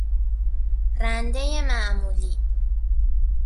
رنده معمولی